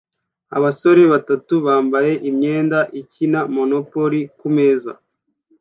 Abasore batatu bambaye imyenda ikina Monopoly kumeza